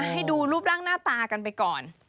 ให้ดูรูปร่างหน้าตากันไปก่อน